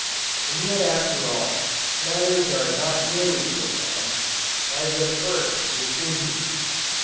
And yet after all, matters are not nearly so bad, as at first they seem to be.